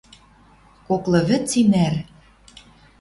Коклы вӹц и нӓр.